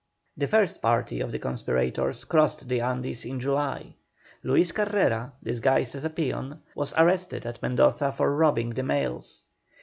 The first party of the conspirators crossed the Andes in July. Luis Carrera, disguised as a peon, was arrested at Mendoza for robbing the mails.